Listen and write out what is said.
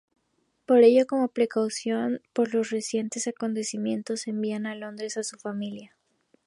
Por ello, como precaución por los recientes acontecimientos, envía a Londres a su familia.